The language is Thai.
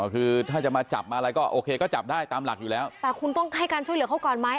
คือถ้าจะมาจับมาอะไรก็โอเคก็จับได้ตามหลักอยู่แล้วแต่คุณต้องให้การช่วยเหลือเขาก่อนไหม